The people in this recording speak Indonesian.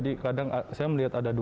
fokus di sini terlebih dahulu